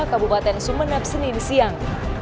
kabupaten sumenep senin siang